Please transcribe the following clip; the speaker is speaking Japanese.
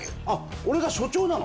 俺が所長なの？